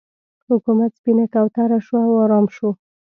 حکومت سپینه کوتره شو او ارام شو.